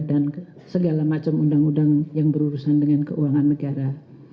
dan segala macam undang undang yang berurusan dengan keuangan negara